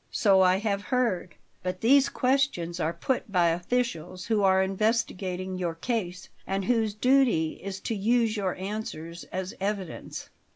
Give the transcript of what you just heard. So I have heard; but these questions are put by officials who are investigating your case and whose duty is to use your answers as evidence."